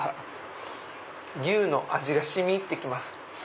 牛の味が染み入って来ます。